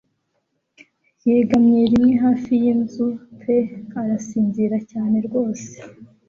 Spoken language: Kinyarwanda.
Yegamye rimwe hafi yinzu pe arasinzira cyane rwose